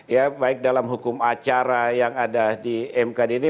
ya baik dalam hukum acara yang ada di mkd ini